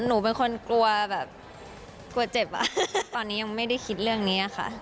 หนูเป็นคนกลัวแบบกลัวเจ็บอ่ะตอนนี้ยังไม่ได้คิดเรื่องนี้ค่ะ